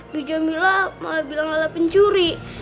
bu jamila malah bilang lala pencuri